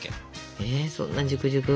えそんなジュクジュク？